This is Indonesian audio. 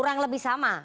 kurang lebih sama